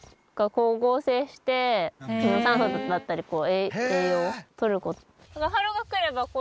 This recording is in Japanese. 光合成して酸素だったり栄養をとる事で。